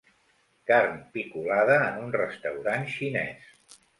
Carn picolada en un restaurant xinès.